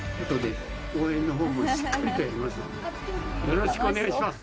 よろしくお願いします。